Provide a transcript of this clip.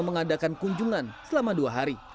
mengadakan kunjungan selama dua hari